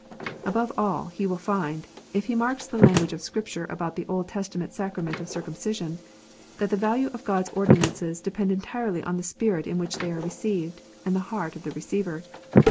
Above all, he will find, if he marks the language of Scripture about the Old Testament sacrament of circumcision, that the value of God s ordinances depends entirely on the spirit in which they are received, and the heart of the receiver.